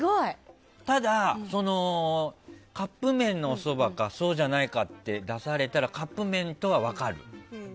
ただ、カップ麺のおそばかそうじゃないかって出されたらカップ麺とは分かる。